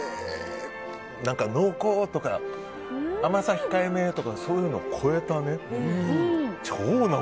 濃厚とか甘さ控えめとかそういうの超えたね。